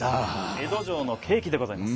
江戸城のケーキでございます。